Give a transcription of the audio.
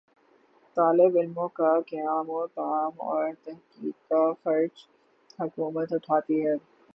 طالب علموں کا قیام و طعام اور تحقیق کا خرچ حکومت اٹھاتی ہے